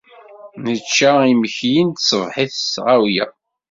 Nečča imekli n tṣebḥit s tɣawla.